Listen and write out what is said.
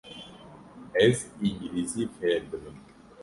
Ez îngilîzî fêr dibim.